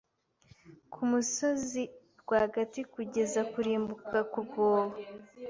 kumusozi rwagati kugeza kurimbuka kurwobo